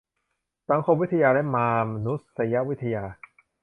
สังคมวิทยาและมานุษยวิทยา